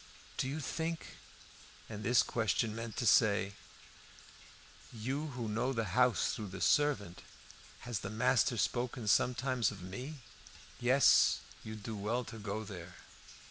"Do you think " And this question meant to say "You who know the house through the servant, has the master spoken sometimes of me?" "Yes, you'd do well to go there."